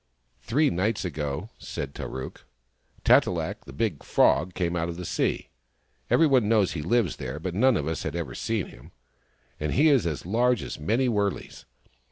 " Three nights ago," said Tarook, " Tat e lak, the big Frog, came out of the sea. Every one knows he lives there, but none of us had ever seen him — and he is as large as many wurleys.